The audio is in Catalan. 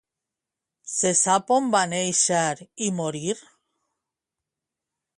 Se sap on va néixer i morir?